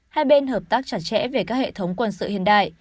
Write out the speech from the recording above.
hai bên hợp tác chặt chẽ về các hệ thống quân sự hiện đại